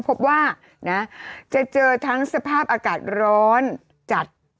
พบว่านะจะเจอทั้งสภาพอากาศร้อนจัด